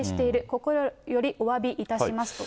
心よりおわびいたしますと。